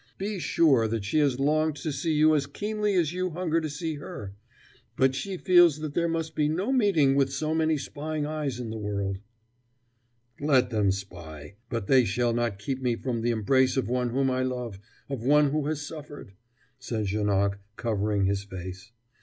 Be sure that she has longed to see you as keenly as you hunger to see her; but she feels that there must be no meeting with so many spying eyes in the world " "Let them spy! but they shall not keep me from the embrace of one whom I love, of one who has suffered," said Janoc, covering his face.